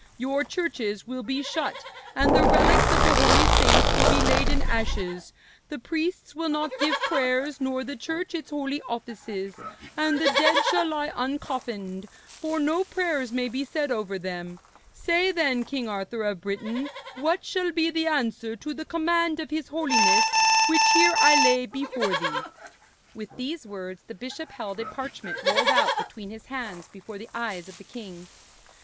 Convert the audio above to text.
Your churches will be shut, and the relics of the holy saints will be laid in ashes, the priests will not give prayers nor the Church its holy offices; and the dead shall lie uncoffined, for no prayers may be said over them. Say, then, King Arthur of Britain, what shall be the answer to the command of his Holiness which here I lay before thee.' With these words the bishop held a parchment rolled out between his hands before the eyes of the king.